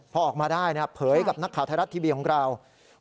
พอออกมาได้เผยกับนักข่าวไทยรัตน์ทีบีวิทยาลังค์ของเรา